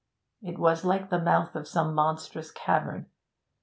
It was like the mouth of some monstrous cavern.